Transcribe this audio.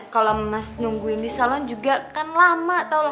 kalau mas nungguin di salon juga kan lama tau loh